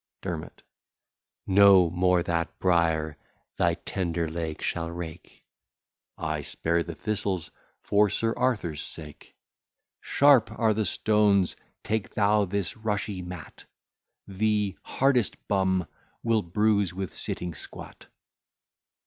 DERMOT No more that brier thy tender leg shall rake: (I spare the thistles for Sir Arthur's sake) Sharp are the stones; take thou this rushy mat; The hardest bum will bruise with sitting squat.